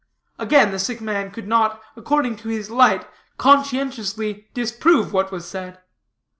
Again the sick man could not, according to his light, conscientiously disprove what was said.